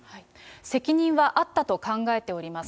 責任はあったと考えております。